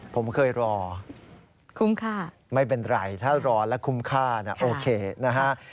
ผมเคยรอไม่เป็นไรถ้ารอแล้วคุ้มค่าโอเคนะฮะคุ้มค่า